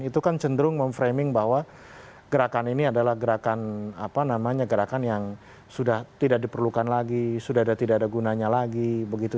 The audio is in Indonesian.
itu kan cenderung memframing bahwa gerakan ini adalah gerakan apa namanya gerakan yang sudah tidak diperlukan lagi sudah tidak ada gunanya lagi begitu